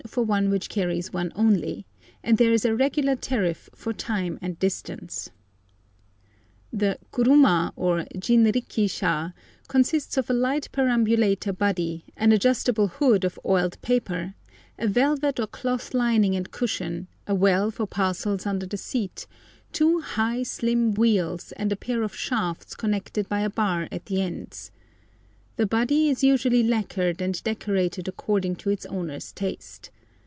for one which carries one only, and there is a regular tariff for time and distance. [Picture: Travelling Restaurant] The kuruma, or jin ri ki sha, consists of a light perambulator body, an adjustable hood of oiled paper, a velvet or cloth lining and cushion, a well for parcels under the seat, two high slim wheels, and a pair of shafts connected by a bar at the ends. The body is usually lacquered and decorated according to its owner's taste.